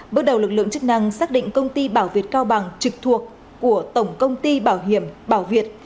bước đầu lực lượng chức năng xác định công ty bảo việt cao bằng trực thuộc của tổng công ty bảo hiểm bảo việt